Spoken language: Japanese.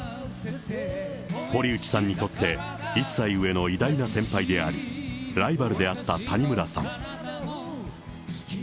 堀内さんにとって１歳上の偉大な先輩であり、ライバルであった谷村さん。